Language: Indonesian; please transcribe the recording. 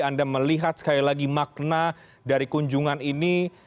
anda melihat sekali lagi makna dari kunjungan ini